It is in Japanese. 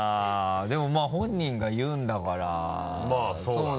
でもまぁ本人が言うんだからまぁそうだね。